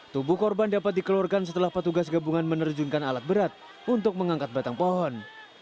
tubuh korban dapat dikeluarkan setelah petugas gabungan menerjunkan alat berat untuk mengangkat batang pohon